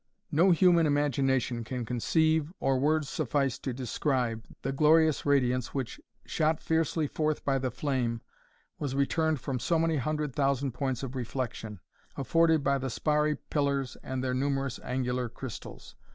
No human imagination can conceive, or words suffice to describe, the glorious radiance which, shot fiercely forth by the flame, was returned from so many hundred thousand points of reflection, afforded by the sparry pillars and their numerous angular crystals.